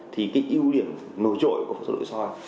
thì cái yếu điểm nổi trội của phẫu thuật đổi soi